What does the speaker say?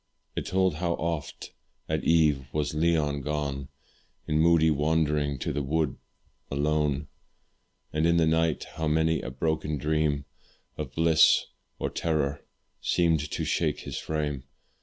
It told how oft at eve was Leon gone In moody wandering to the wood alone; And in the night, how many a broken dream Of bliss, or terror, seemed to shake his frame.